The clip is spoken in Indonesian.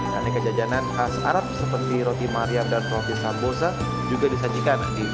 kerana jajanan khas arab seperti roti maria dan roti sambosa juga disajikan di festival ini